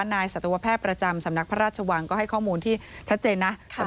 สัตวแพทย์ประจำสำนักพระราชวังก็ให้ข้อมูลที่ชัดเจนนะ